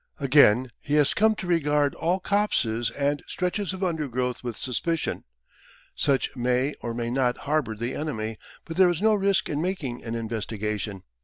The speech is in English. Again, he has come to regard all copses and stretches of undergrowth with suspicion. Such may or may not harbour the enemy, but there is no risk in making an investigation.